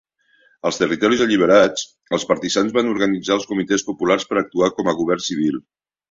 Als territoris alliberats, els partisans van organitzar els comitès populars per actuar com a govern civil.